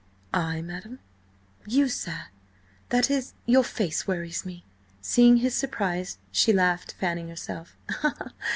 "I, madam?" "You, sir. That is, your face worries me." Seeing his surprise, she laughed, fanning herself.